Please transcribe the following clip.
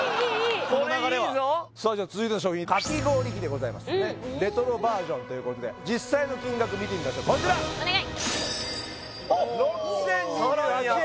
この流れはこれいいぞさあじゃあ続いての商品かき氷器でございますレトロバージョンということで実際の金額見てみましょうこちらお願いおっ６０２８円